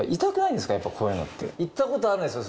行ったことあるんですよ